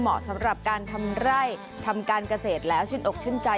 เหมาะสำหรับการทำไร่ทำการเกษตรแล้วชื่นอกชื่นใจ